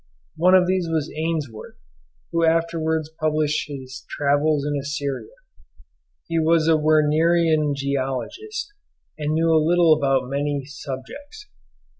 One of these was Ainsworth, who afterwards published his travels in Assyria; he was a Wernerian geologist, and knew a little about many subjects.